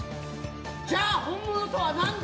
じゃあ、本物とはなんだ。